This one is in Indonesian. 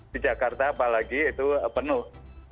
di jakarta apalagi itu penuh